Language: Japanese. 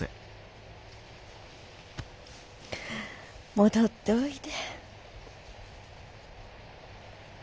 戻っておいで。